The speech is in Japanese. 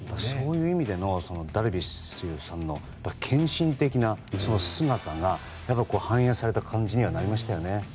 そういう意味でダルビッシュさんの献身的な姿が反映された感じになりましたね。